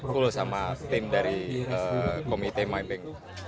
full sama tim dari komite my bank